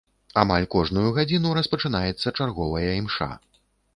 Амаль кожную гадзіну распачынаецца чарговая імша.